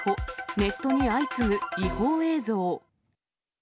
ネットに相次ぐ違法映像。